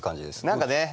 何かね